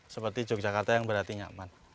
seperti yogyakarta yang berarti nyaman